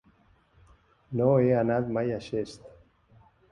No he anat mai a Xest.